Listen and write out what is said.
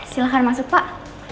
silahkan masuk pak